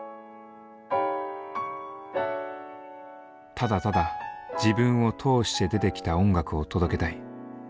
ただただ自分を通して出てきた音楽を届けたい。